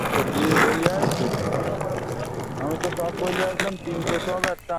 আমি বসতে চাই না।